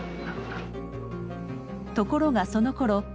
ところがそのころ